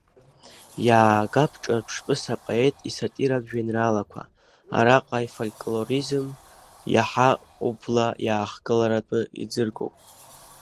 Иаагап ҿырԥштәыс апоет исатиратә жәеинраалақәа, араҟа ифольклоризм иаҳа убла иаахгыларатәы иӡыргоуп.